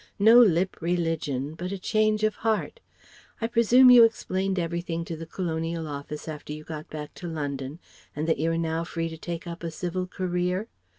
No lip religion, but a change of heart. I presume you explained everything to the Colonial Office after you got back to London and that you are now free to take up a civil career?